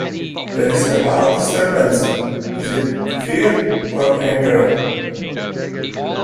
There is a wild disturbance — is it fear or anger?